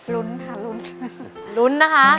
รุ้นค่ะรุ้น